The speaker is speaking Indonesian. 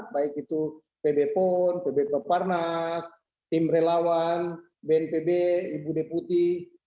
baik itu pb pon pb peparnas tim relawan bnpb ibu deputi